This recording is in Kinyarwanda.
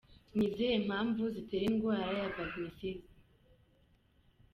Ni izihe mpamvu zitera indwara ya Vaginisme?.